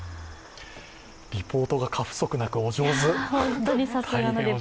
リポートが過不足なくお上手。